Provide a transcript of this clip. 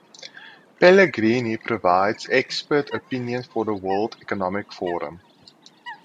Pellegrini provides expert opinion for the World Economic Forum.